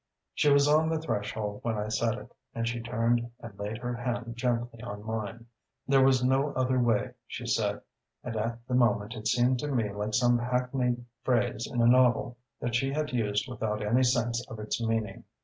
"She was on the threshold when I said it, and she turned and laid her hand gently on mine. 'There was no other way,' she said; and at the moment it seemed to me like some hackneyed phrase in a novel that she had used without any sense of its meaning.